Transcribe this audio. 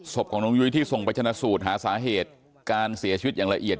ศพของน้องยุ้ยที่ส่งไปชนะสูตรหาสาเหตุการเสียชีวิตอย่างละเอียด